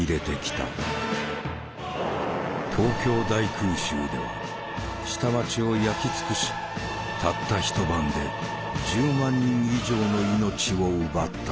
東京大空襲では下町を焼き尽くしたった一晩で１０万人以上の命を奪った。